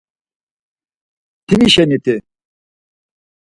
Mtinişenti...